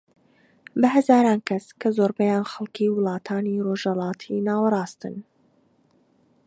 بە هەزاران کەس کە زۆربەیان خەڵکی وڵاتانی ڕۆژهەلاتی ناوەڕاستن